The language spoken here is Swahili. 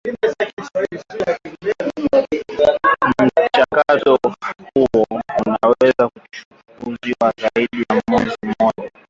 na mchakato huo unaweza kuchukua zaidi ya mwezi mmoja